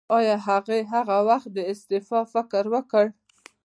ایا هغې هغه وخت د استعفا فکر وکړ؟